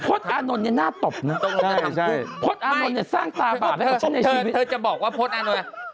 ภทอานนท์นี่สร้างตลาดมากับชั้นในชีวิตเธอจะบอกว่าภทอานนท์นี่